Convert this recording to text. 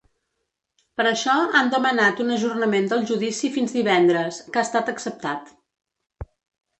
Per això han demanat un ajornament del judici fins divendres, que ha estat acceptat.